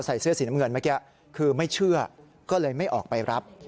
ใส่เสื้อสีน้ำเงินเมื่อกี้คือไม่เชื่อก็เลยไม่ออกไปรับ